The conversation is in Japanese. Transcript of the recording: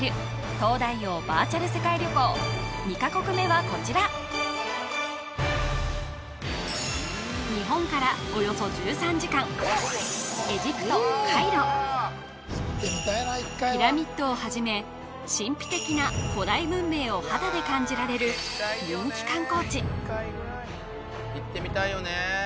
東大王バーチャル世界旅行２か国目はこちらピラミッドをはじめ神秘的な古代文明を肌で感じられる人気観光地行ってみたいよね